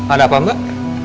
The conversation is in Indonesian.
ada apa mbak